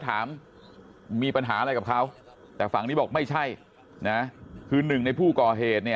ถามมีปัญหาอะไรกับเขาแต่ฝั่งนี้บอกไม่ใช่นะคือหนึ่งในผู้ก่อเหตุเนี่ย